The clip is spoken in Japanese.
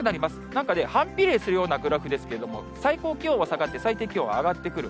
なんかね、反比例するようなグラフですけれども、最高気温は下がって最低気温は上がってくる。